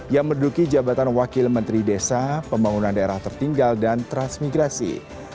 yang merduki jabatan wakil menteri desa pembangunan daerah tertinggal dan transmigrasi